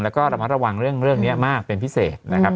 แล้วก็ระมัดระวังเรื่องนี้มากเป็นพิเศษนะครับ